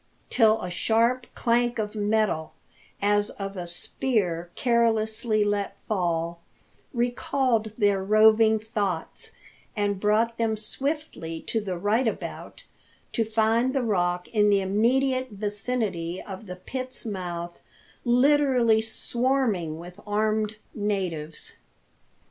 Till a sharp clank of metal, as of a spear carelessly let fall, recalled their roving thoughts, and brought, them swiftly to the right about, to find the Rock in the immediate vicinity of the pit's mouth literally swarming with armed natives.